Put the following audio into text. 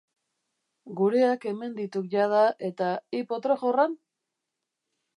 Gureak hemen dituk jada eta hi potro-jorran?